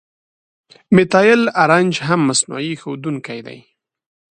میتایل آرنج هم مصنوعي ښودونکی دی.